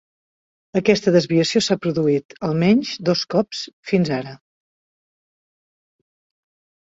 Aquesta desviació s'ha produït al menys dos cops fins ara.